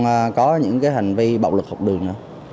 mà có những cái hành vi bạo lực học đường nữa